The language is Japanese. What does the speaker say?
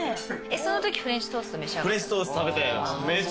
そのときフレンチトースト召し上がった？